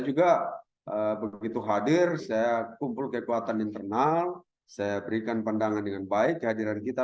juga begitu hadir saya kumpul kekuatan internal saya berikan pandangan dengan baik kehadiran kita